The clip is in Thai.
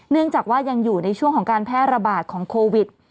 เนื่องจากว่ายังอยู่ในช่วงของการแพร่ระบาดของโควิด